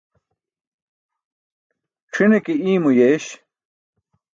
C̣ʰine ke iymo yeeś.